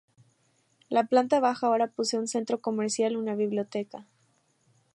La planta baja ahora posee un centro comercial y una biblioteca.